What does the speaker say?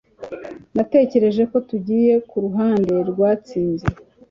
natekereje ko tugiye kuruhande rwatsinze